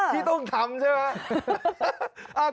ที่ต้องทำใช่ไหม